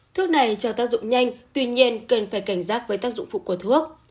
thuốc này cho tác dụng nhanh tuy nhiên cần phải cảnh giác với tác dụng phục của thuốc